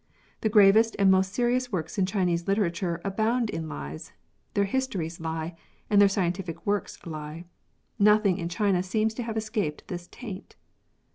The gravest and most serious works in Chinese literature abound in lies; their histories lie ; and their scientific works lie. Nothing in China seems to have escaped this taint.